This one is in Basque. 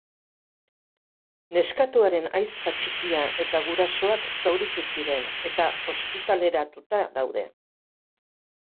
Neskatoaren ahizpa txikia eta gurasoak zauritu ziren eta ospitaleratuta daude.